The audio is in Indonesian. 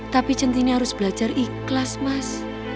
tapi centini harus belajar ikhlas mas